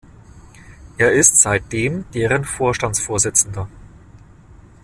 Er ist seitdem deren Vorstandsvorsitzender.